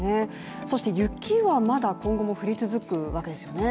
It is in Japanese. そして雪はまだ今後も降り続くわけですよね？